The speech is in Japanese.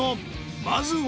［まずは］